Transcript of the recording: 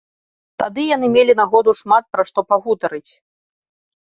Тады яны мелі нагоду шмат пра што пагутарыць.